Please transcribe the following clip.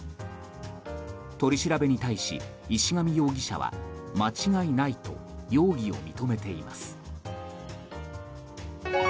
取り調べに対し、石上容疑者は間違いないと容疑を認めています。